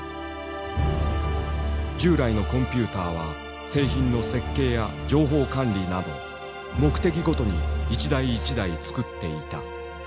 従来のコンピューターは製品の設計や情報管理など目的ごとに一台一台作っていた。